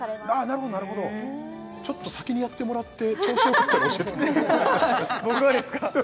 なるほどなるほどちょっと先にやってもらって調子よかったら教えて僕がですか！？